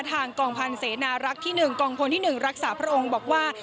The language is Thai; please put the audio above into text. ทางกองพันธ์เสนารักษ์ที่๑กองพลที่๑รักษาพระองค์บอกว่า